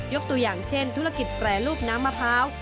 ตัวอย่างเช่นธุรกิจแปรรูปน้ำมะพร้าว